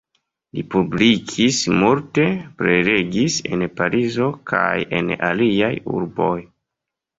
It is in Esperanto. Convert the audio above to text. Li publikis multe, prelegis en Parizo kaj en aliaj urboj.